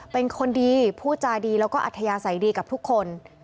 เป็นคนดีพูดจาดีแล้วก็อัธยาศัยดีกับทุกคน